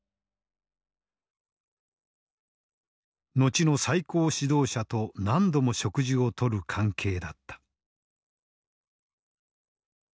後の最高指導者と何度も食事をとる関係だった。